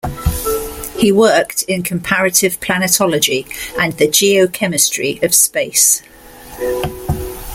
He worked in comparative planetology and the geochemistry of space.